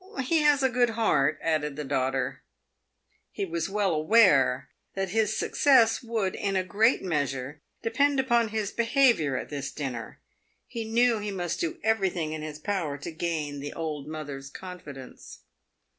" He has a good heart," added the daughter. He was well aware that his success would, in a great measure, de pend upon his behaviour at this dinner. He knew he must do everything in his power to gain the old mother's confidence.